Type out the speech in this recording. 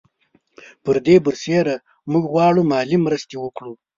پر دې برسېره موږ غواړو مالي مرستې وکړو.